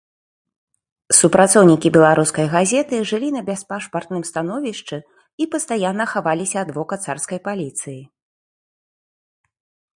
Супрацоўнікі беларускай газеты жылі на бяспашпартным становішчы і пастаянна хаваліся ад вока царскай паліцыі.